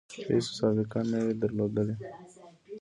هیڅ سابقه نه وي درلودلې.